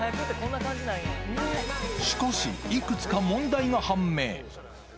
しかし、いくつか問題が判明。